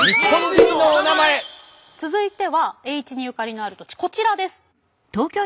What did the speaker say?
続いては栄一にゆかりのある土地こちらです。